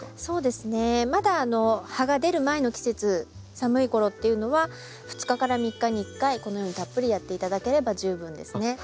そうですねまだ葉が出る前の季節寒い頃っていうのは２日から３日に１回このようにたっぷりやって頂ければ十分ですね。